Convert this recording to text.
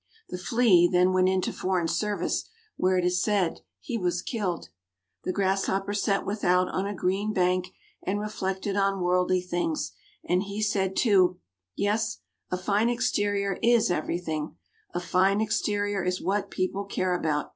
The Flea then went into foreign service, where, it is said, he was killed. The Grasshopper sat without on a green bank, and reflected on worldly things; and he said too, "Yes, a fine exterior is everything a fine exterior is what people care about."